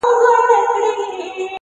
o نورو ته مي شا کړې ده تاته مخامخ یمه ـ